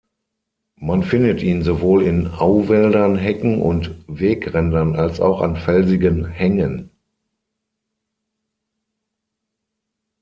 Man findet ihn sowohl in Auwäldern, Hecken und Wegrändern als auch an felsigen Hängen.